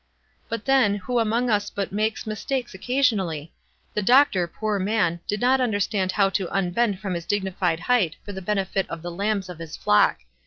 "But, then, who among us but makes mistakes occasionally? The doctor, poor man, did not understand how to unbend from his dignified height for the ben efit of the lambs of his flock.